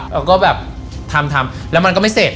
เราก็แบบทำทำแล้วมันก็ไม่เสร็จ